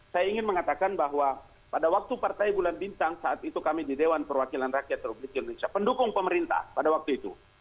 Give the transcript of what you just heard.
saya ingin mengatakan bahwa pada waktu partai bulan bintang saat itu kami di dewan perwakilan rakyat republik indonesia pendukung pemerintah pada waktu itu